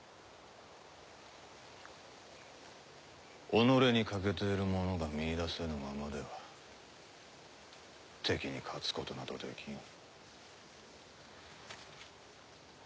己に欠けているものが見いだせぬままでは敵に勝つことなどできん。